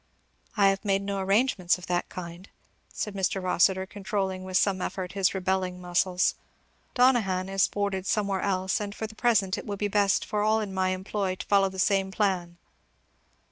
"I have made no arrangements of the kind," said Mr. Rossitur controlling with some effort his rebelling muscles. "Donohan is boarded somewhere else, and for the present it will be best for all in my employ to follow the same plan."